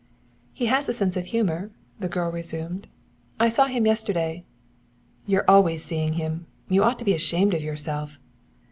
"He has a sense of humor," the girl resumed. "I saw him yesterday " "You're always seeing him: you ought to be ashamed of yourself."